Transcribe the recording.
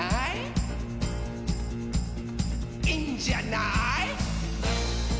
「いいんじゃない？」